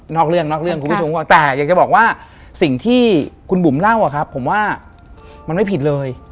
อกเรื่องนอกเรื่องคุณผู้ชมแต่อยากจะบอกว่าสิ่งที่คุณบุ๋มเล่าอะครับผมว่ามันไม่ผิดเลย